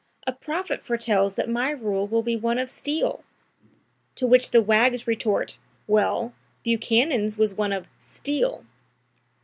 A prophet foretells that my rule will be one of steel! To which the wags retort: 'Well, Buchanan's was one of steal.'"